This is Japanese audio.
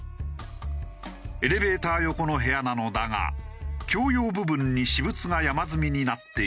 エレベーター横の部屋なのだが共用部分に私物が山積みになっている。